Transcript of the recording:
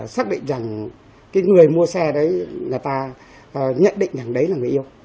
xác định rằng cái người mua xe đấy người ta nhận định rằng đấy là người yêu